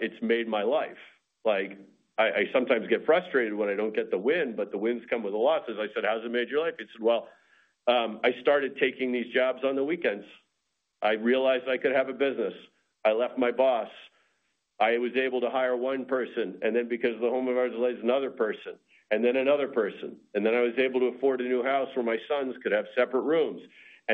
it's made my life. I sometimes get frustrated when I don't get the win, but the wins come with a loss. I said, how's it made your life? He said, I started taking these jobs on the weekends. I realized I could have a business. I left my boss. I was able to hire one person, and then, because the HomeAdvisor leads, another person, and then another person. I was able to afford a new house where my sons could have separate rooms.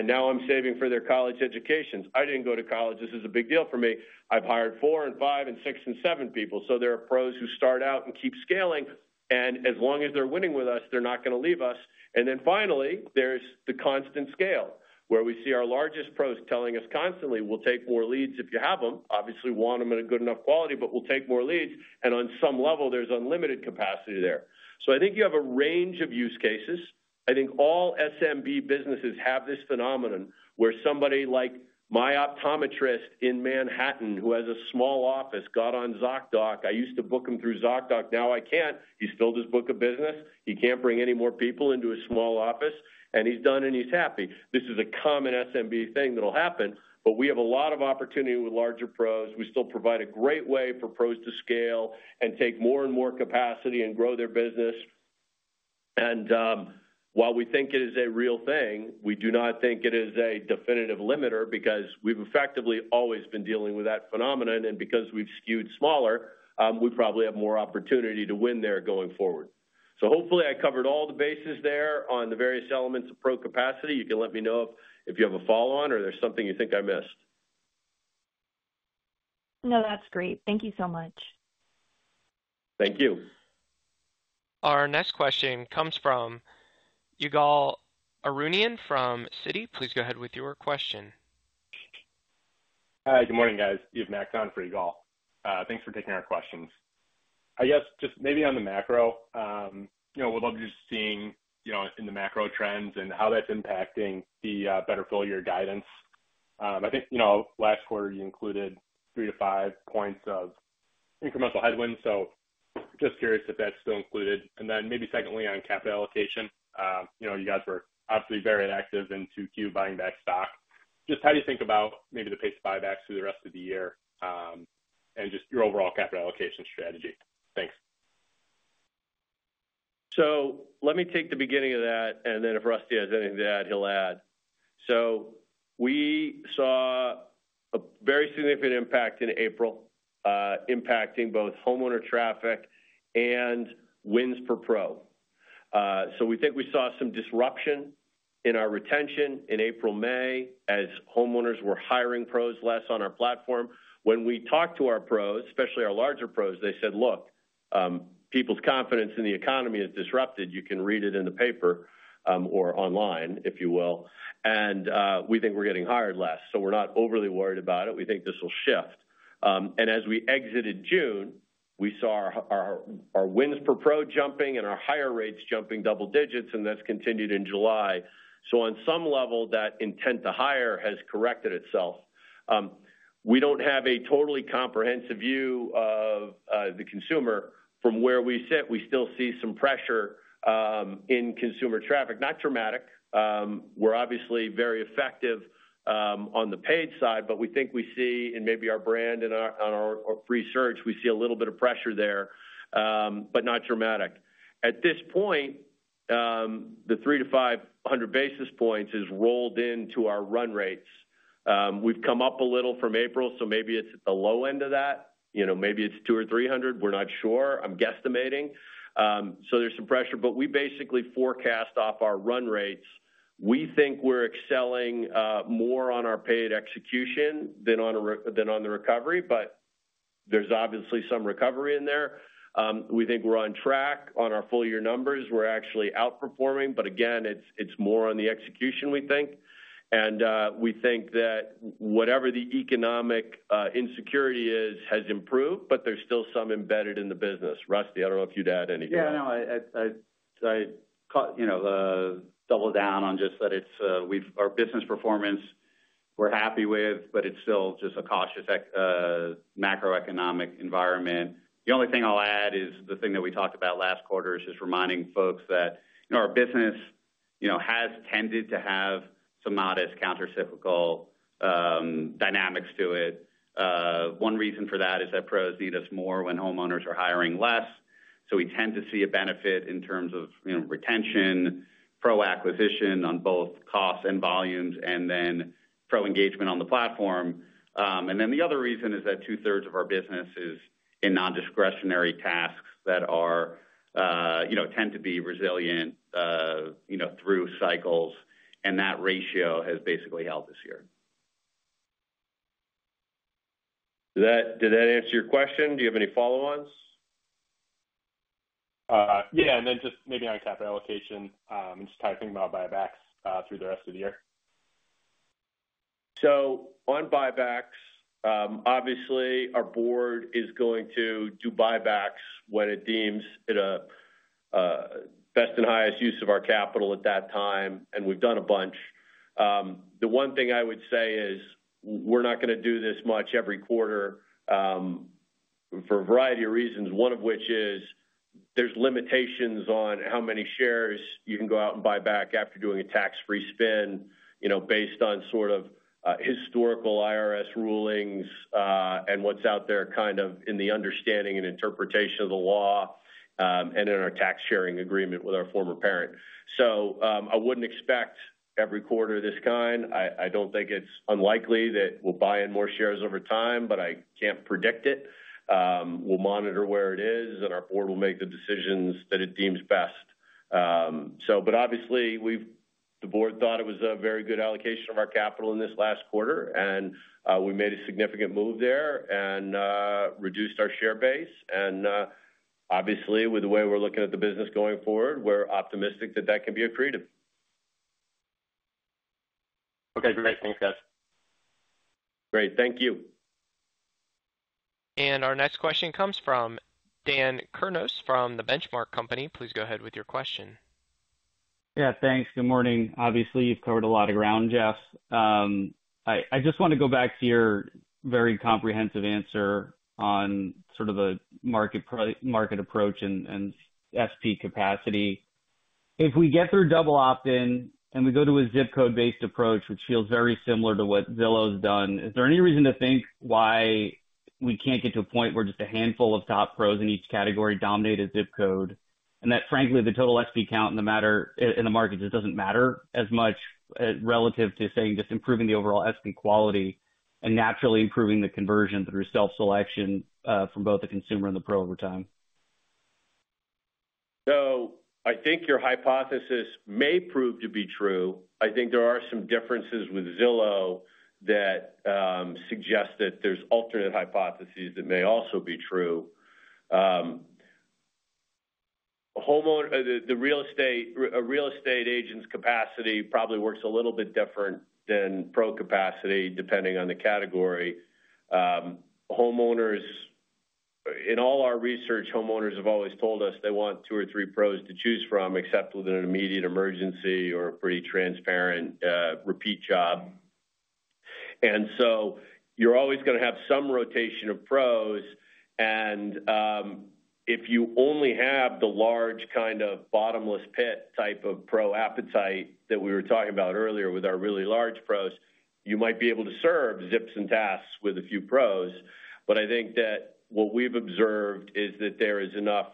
Now I'm saving for their college educations. I didn't go to college. This is a big deal for me. I've hired four and five and six and seven people. There are pros who start out and keep scaling, and as long as they're winning with us, they're not going to leave us. Finally, there's the constant scale where we see our largest pros telling us constantly, we'll take more leads if you have them. Obviously, want them in a good enough quality, but we'll take more leads. On some level, there's unlimited capacity there. I think you have a range of use cases. I think all SMB businesses have this phenomenon where somebody like my optometrist in Manhattan who has a small office got on Zocdoc. I used to book him through Zocdoc. Now I can't. He's filled his book of business. He can't bring any more people into a small office. He's done and he's happy. This is a common SMB thing that'll happen. We have a lot of opportunity with larger pros. We still provide a great way for pros to scale and take more and more capacity and grow their business. While we think it is a real thing, we do not think it is a definitive limiter because we've effectively always been dealing with that phenomenon. Because we've skewed smaller, we probably have more opportunity to win there going forward. Hopefully I covered all the bases there on the various elements of pro capacity. You can let me know if you have a follow on or there's something you think I missed. No, that's great. Thank you so much. Thank you. Our next question comes from Ygal Arounian from Citi. Please go ahead with your question. Hi, good morning, guys. You've Max on for Ygal. Thanks for taking our questions. I guess just maybe on the macro, you know, we'd love you seeing, you know, in the macro trends and how that's impacting the better full year guidance. I think, you know, last quarter you included 3 points-5 points of incremental headwinds. Just curious if that's still included. Then maybe secondly on capital allocation, you know, you guys were obviously very active in Q2 buying back stock. Just how do you think about maybe the pace of buybacks through the rest of the year and just your overall capital allocation strategy? Thanks. Let me take the beginning of that and then if Rusty has anything to add, he'll add. We saw a very significant impact in April impacting both homeowner traffic and wins for pro. We think we saw some disruption in our retention in April, May, as homeowners were hiring pros less on our platform. When we talked to our pros, especially our larger pros, they said, look, people's confidence in the economy is disrupted. You can read it in the paper or online, if you will. We think we're getting hired less. We're not overly worried about it. We think this will shift. As we exited June, we saw our wins per pro jumping and our hire rates jumping double digits. That's continued in July. On some level, that intent to hire has corrected itself. We don't have a totally comprehensive view of the consumer from where we sit. We still see some pressure in consumer traffic. Not dramatic. We're obviously very effective on the paid side, but we think we see in maybe our brand and our research, we see a little bit of pressure there, but not dramatic. At this point, the 300 basis points-500 basis points is rolled into our run rates. We've come up a little from April, so maybe it's at the low end of that. Maybe it's 200 basis points or 300 basis points. We're not sure. I'm guesstimating. There's some pressure. We basically forecast off our run rates. We think we're excelling more on our paid execution than on the recovery, but there's obviously some recovery in there. We think we're on track on our full year numbers. We're actually outperforming. Again, it's more on the execution. We think that whatever the economic insecurity is, has improved, but there's still some embedded in the business. Rusty, I don't know if you'd add anything. Yeah, no, double down on just that. Our business performance we're happy with, but it's still just a cautious macro-economic environment. The only thing I'll add is the thing that we talked about last quarter is just reminding folks that our business has tended to have some modest countercyclical dynamics to it. One reason for that is that pros need us more when homeowners are hiring less. We tend to see a benefit in terms of retention, pro acquisition on both costs and volumes, and then pro engagement on the platform. The other reason is that two thirds of our business is in non-discretionary tasks that tend to be resilient through cycles, and that ratio has basically held this year. Did that answer your question? Do you have any follow-ons? Yeah. And then just maybe on capital allocation, just kind of thinking about buybacks through the rest of the year. On buybacks, obviously our board is going to do buybacks when it deems it a best and highest use of our capital at that time. We've done a bunch. The one thing I would say is we're not going to do this much every quarter for a variety of reasons. One of which is there's limitations on how many shares you can go out and buy back after doing a tax-free spin, you know, based on sort of historical IRS rulings and what's out there in the understanding and interpretation of the law and in our tax sharing agreement with our former parent. I wouldn't expect every quarter of this kind. I don't think it's unlikely that we'll buy in more shares over time, but we can't predict it. We'll monitor where it is and our board will make the decisions that it deems best. Obviously, the board thought it was a very good allocation of our capital in this last quarter and we made a significant move there and reduced our share base. Obviously, with the way we're looking at the business going forward, we're optimistic that that can be accretive. Okay, great. Thanks guys. Great. Thank you. Our next question comes from Dan Kurnos from The Benchmark Company. Please go ahead with your question. Yeah, thanks. Good morning. Obviously you've covered a lot of ground. Jeff, I just want to go back to your very comprehensive answer on sort of the market price, market approach, and SP capacity. If we get through double opt in and we go to a zip code based approach, which feels very similar to. What Zillow's done, is there any reason? To think why we can't get to a point where just a handful of top pros in each category dominate a zip code, and that frankly the total SP count in the market just doesn't matter as much relative to saying just improving the overall SP quality, and naturally improving the conversion through self-selection from both the consumer and the pro over time. I think your hypothesis may prove to be true. I think there are some differences with Zillow that suggest that there are alternate hypotheses that may also be true. A real estate agent's capacity probably works a little bit different than pro capacity depending on the category. In all our research, homeowners have always told us they want two or three pros to choose from, except with an immediate emergency or a pretty transparent repeat job. You are always going to have some rotation of pros. If you only have the large kind of bottomless pit type of pro appetite that we were talking about earlier with our really large pros, you might be able to serve zips and tasks with a few pros. What we've observed is that there is enough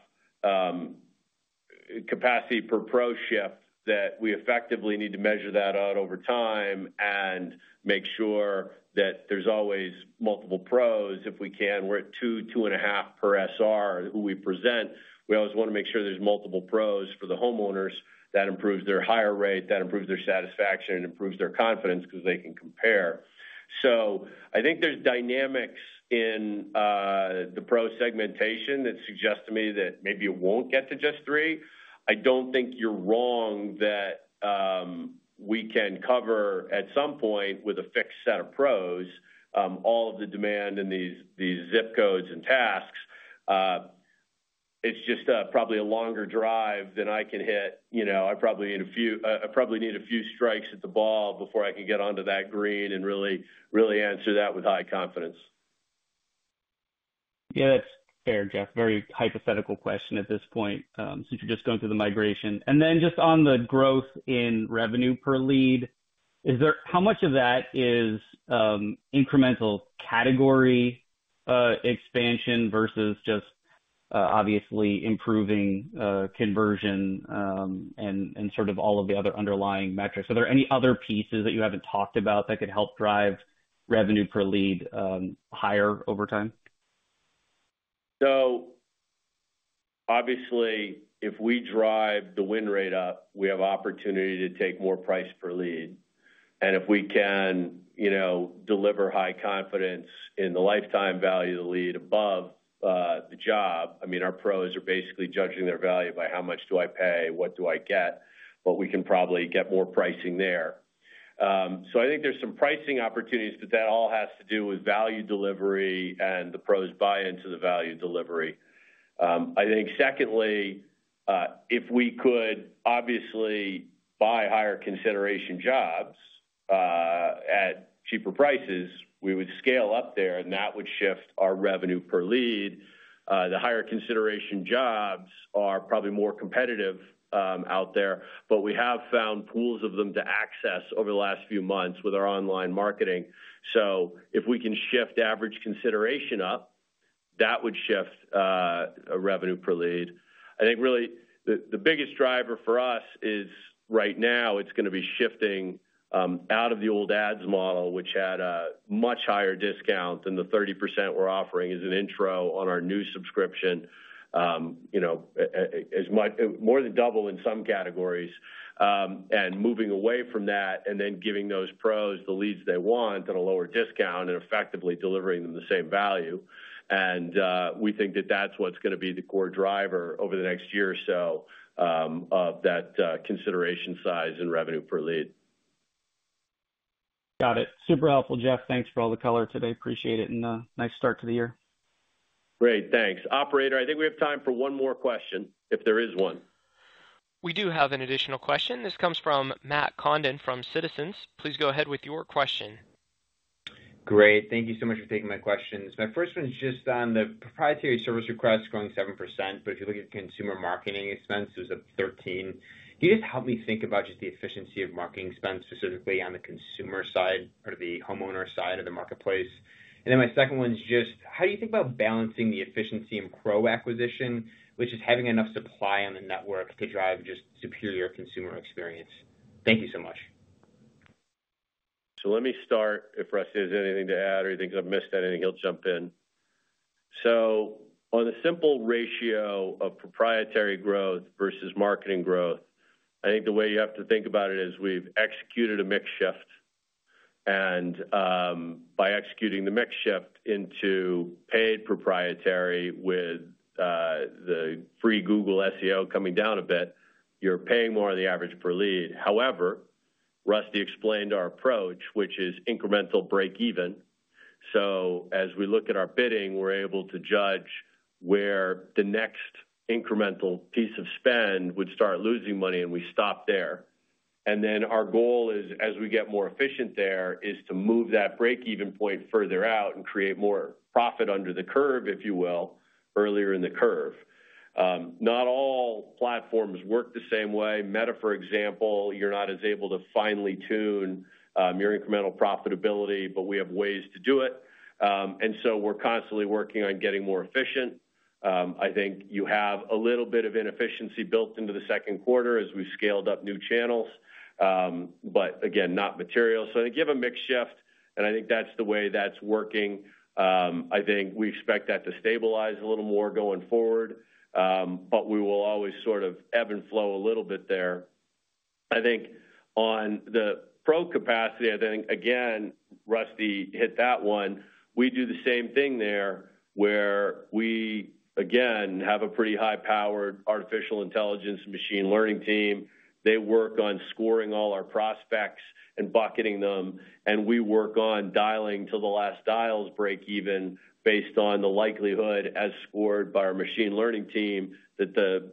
capacity for pro ship that we effectively need to measure that out over time and make sure that there are always multiple pros if we can. We're at two, two and a half per SR who we present. We always want to make sure there are multiple pros for the homeowners. That improves their hire rate, that improves their satisfaction, and improves their confidence because they can compare. I think there are dynamics in the pro segmentation that suggest to me that maybe it won't get to just three. I don't think you're wrong that we can cover at some point with a fixed set of pros all of the demand in these zip codes and tasks. It's just probably a longer drive than I can hit. I probably need a few, I probably need a few strikes at the ball before I can get onto that green and really, really answer that with high confidence. Yeah, that's fair. Jeff, very hypothetical question at this point. Since you're just going through the migration. On the growth in revenue per lead, is there how much of that is incremental category expansion versus just obviously improving conversion and sort of all of the other underlying metrics? Are there any other pieces that you haven't talked about that could help drive revenue per lead higher over time? If we drive the win rate up, we have opportunity to take more price per lead, and if we can deliver high confidence in the lifetime value lead above the job. I mean, our pros are basically judging their value by how much do I pay, what do I get? We can probably get more pricing there. I think there's some pricing opportunities, but that all has to do with value delivery. The pros buy into the value delivery. I think, secondly, if we could buy higher consideration jobs at cheaper prices, we would scale up there and that would shift our revenue per lead. The higher consideration jobs are probably more competitive out there, but we have found pools of them to access over the last few months with our online marketing. If we can shift average consideration up, that would shift revenue per lead. I think really the biggest driver for us is right now it's going to be shifting out of the old Ads model, which had a much higher discount than the 30% we're offering as an intro on our new subscription, more than double in some categories, and moving away from that and then giving those pros the leads they want at a lower discount and effectively delivering them the same value. We think that that's what's going to be the core driver over the next year or so of that consideration size and revenue per lead. Got it. Super helpful, Jeff. Thanks for all the color today. Appreciate it. Nice start to the year. Great. Thanks, Operator. I think we have time for one more question, if there is one. We do have an additional question. This comes from Matt Condon from Citizens. Please go ahead with your question. Great. Thank you so much for taking my questions. My first one is just on the. Proprietary service requests growing 7%. If you look at consumer marketing expenses at $13 million, can you just help me think about the efficiency of. Marketing spend specifically on the consumer side. The homeowner side of the marketplace? My second one is just how do you think about balancing the efficiency in pro acquisition, which is having enough supply on the network to drive. Just superior consumer experience? Thank you so much. Let me start. If Rusty has anything to add or he thinks I've missed anything, he'll jump in. On a simple ratio of proprietary growth versus marketing growth, I think the way you have to think about it is we've executed a mix shift. By executing the mix shift into paid proprietary, with the growth free Google SEO coming down a bit, you're paying more of the average per lead. However, Rusty explained our approach, which is incremental break even. As we look at our bidding, we're able to judge where the next incremental piece of spend would start losing money. We stop there and then our goal is as we get more efficient there is to move that break even point further out and create more profit under the curve, if you will, earlier in the curve. Not all platforms work the same way. Meta, for example, you're not as able to finely tune your incremental profitability, but we have ways to do it and we're constantly working on getting more efficient. I think you have a little bit of inefficiency built into the second quarter as we scaled up new channels, but again not material. They give a mix shift and I think that's the way that's working. I think we expect that to stabilize a little more going forward, but we will always sort of ebb and flow a little bit there. On the pro capacity, I think again Rusty hit that one. We do the same thing there where we again have a pretty high powered artificial intelligence machine learning team. They work on scoring all our prospects and bucketing them and we work on dialing till the last dials break even. Based on the likelihood as scored by our machine learning team that the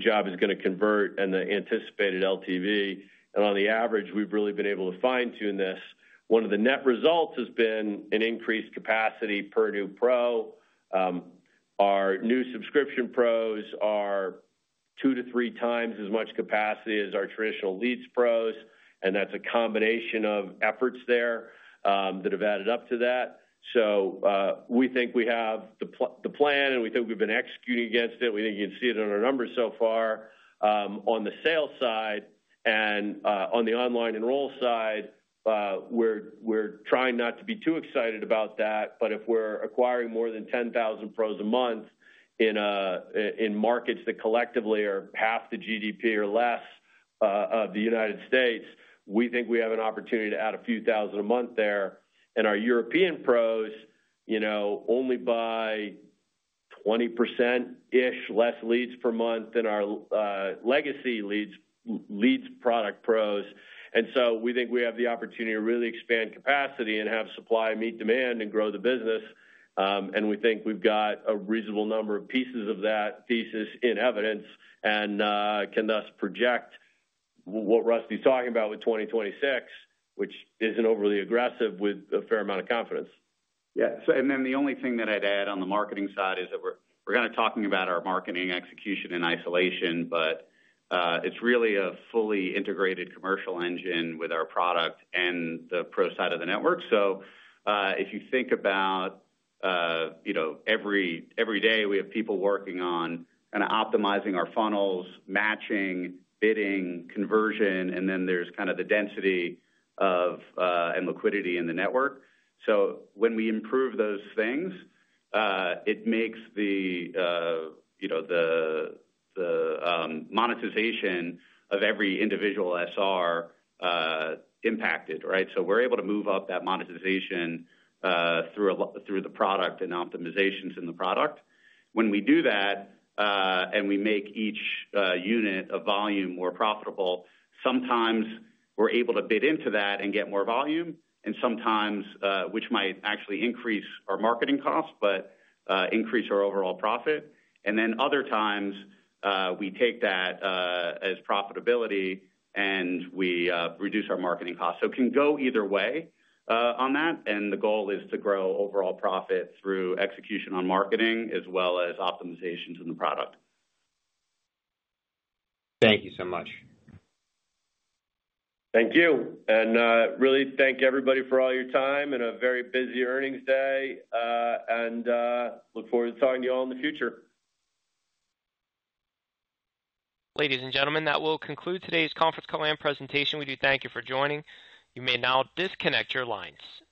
job is going to convert and the anticipated LTV. On the average we've really been able to fine tune this. One of the net results has been an increased capacity per new pro. Our new subscription pros are 2x-3x as much capacity as our traditional leads pros. That's a combination of efforts there that have added up to that. We think we have the plan and we think we've been executing against it. We think you can see it on our numbers so far on the sales side and on the online enroll side. We're trying not to be too excited about that. If we're acquiring more than 10,000 pros a month in markets that collectively are half the GDP or less of the United States, we think we have an opportunity to add a few thousand a month there. Our European pros only buy 20% ish. Fewer leads per month than our legacy leads product pros. We think we have the opportunity to really expand capacity and have supply meet demand and grow the business. We think we've got a reasonable number of pieces of that thesis in evidence and can thus project what Rusty's talking about with 2026, which isn't overly aggressive with a fair amount of confidence. Yeah. The only thing that I'd add on the marketing side is that we're kind of talking about our marketing execution in isolation, but it's really a fully integrated commercial engine with our product and the pro side of the network. If you think about it, every day we have people working on optimizing our funnels, matching, bidding, conversion, and then there's the density and liquidity in the network. When we improve those things, it makes the monetization of every individual SR impacted. Right? We're able to move up that monetization through the product and optimizations in the product. When we do that, and we make each unit of volume more profitable, sometimes we're able to bid into that and get more volume, which might actually increase our marketing costs but increase our overall profit. Other times, we take that as profitability and we reduce our marketing costs. It can go either way on that. The goal is to grow overall profit through execution on marketing as well as optimizations in the product. Thank you so much. Thank you. I really thank everybody for all your time on a very busy earnings day, and look forward to talking to you all in the future. Ladies and gentlemen, that will conclude today's conference call and presentation. We do thank you for joining. You may now disconnect your lines.